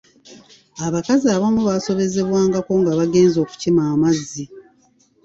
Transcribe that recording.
Abakazi abamu baasobezebwangako nga bagenze okukima amazzi.